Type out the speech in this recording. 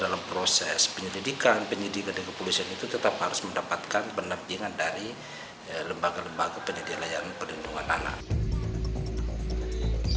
dalam proses penyelidikan penyidikan dan kepolisian itu tetap harus mendapatkan pendampingan dari lembaga lembaga pendidikan layanan perlindungan anak